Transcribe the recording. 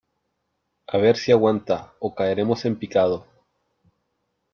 a ver si aguanta , o caeremos en picado .